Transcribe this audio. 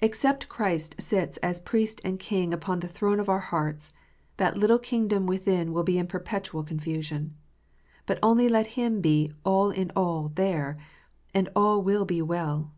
Except Christ sits as Priest and King upon the throne of our hearts, that little kingdom within will be in perpetual confusion. But only let Him be "all in all" there, and all will be well.